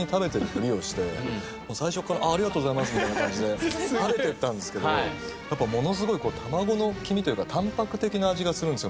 最初からありがとうございますみたいな感じで食べていったんですけどものすごい卵の黄身というかタンパク的な味がするんですよ